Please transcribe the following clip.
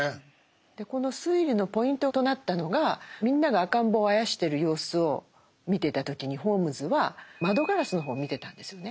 でこの推理のポイントとなったのがみんなが赤ん坊をあやしてる様子を見ていた時にホームズは窓ガラスの方を見てたんですよね。